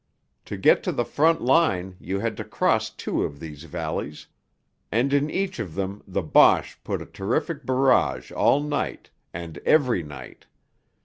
To get to the front line you had to cross two of these valleys, and in each of them the Boche put a terrific barrage all night, and every night.